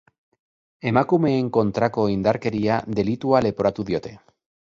Emakumeen kontrako indarkeria delitua leporatu diote.